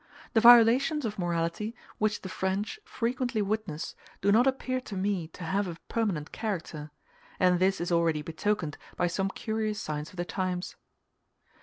The violations of morality which the French frequently witness do not appear to me to have a permanent character; and this is already betokened by some curious signs of the times.